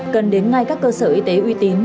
cần đến ngay các cơ sở y tế uy tín